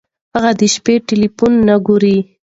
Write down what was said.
هغه د شپې ټیلیفون نه ګوري.